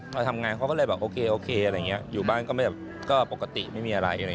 พอทำงานเขาก็เลยโอเคอยู่บ้านก็ปกติไม่มีอะไร